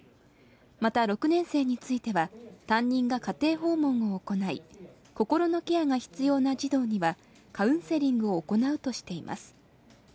また、６年生については、担任が家庭訪問を行い、心のケアが必要な児童にはカウンセリングを行うとしています。